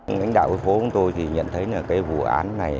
lãnh đạo của phố của tôi thì nhận thấy là cái vụ án này